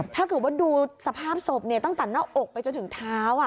ถ้าเกิดว่าดูสภาพศพตั้งแต่หน้าอกไปจนถึงเท้า